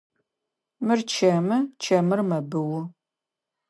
Мыр чэмы, чэмыр мэбыу.